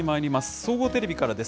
総合テレビからです。